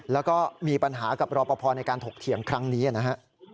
แล้วก็มีปัญหากับรอปภในการถกเถียงครั้งนี้นะฮะ